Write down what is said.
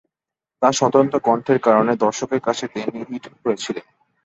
তার স্বতন্ত্র কণ্ঠের কারণে দর্শকদের কাছে তিনি হিট ছিলেন।